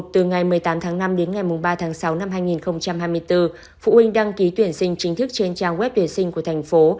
từ ngày một mươi tám tháng năm đến ngày ba tháng sáu năm hai nghìn hai mươi bốn phụ huynh đăng ký tuyển sinh chính thức trên trang web tuyển sinh của thành phố